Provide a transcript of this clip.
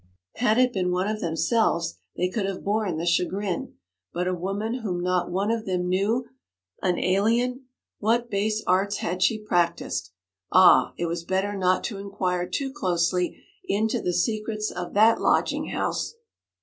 Had it been one of themselves they could have borne the chagrin; but a woman whom not one of them knew, an alien! What base arts had she practised? Ah, it was better not to inquire too closely into the secrets of that lodging house.